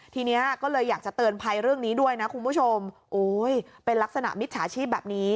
ทีนี้ก็เลยอยากจะเตือนภัยเรื่องนี้ด้วยนะคุณผู้ชมโอ้ยเป็นลักษณะมิจฉาชีพแบบนี้